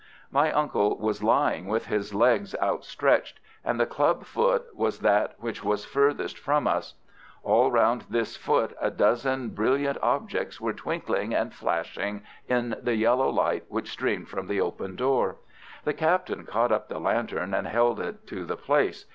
My uncle was lying with his legs outstretched, and the club foot was that which was furthest from us. All round this foot a dozen brilliant objects were twinkling and flashing in the yellow light which streamed from the open door. The captain caught up the lantern and held it to the place.